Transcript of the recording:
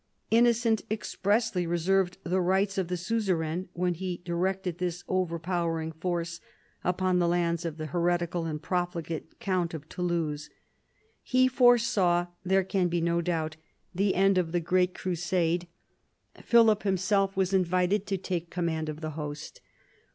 Innocent expressly reserved the rights of the suzerain when he directed this overpowering force upon the lands of the here tical and profligate count of Toulouse. He foresaw, there can be no doubt, the end of the great crusade. 190 PHILIP AUGUSTUS chap. Philip himself was invited to take command of the host.